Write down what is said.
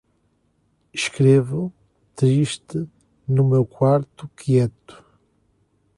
Escrevo, triste, no meu quarto quieto